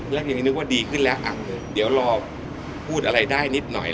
แรกทีนี้นึกว่าดีขึ้นแล้วเดี๋ยวรอพูดอะไรได้นิดหน่อย